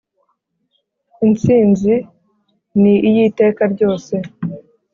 intsinzi ni iy'iteka ryose